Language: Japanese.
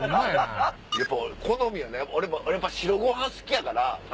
やっぱ好みやな俺白ご飯好きやから。